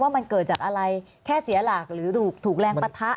มันเกิดจากอะไรแค่เสียหลักหรือถูกแรงปะทะ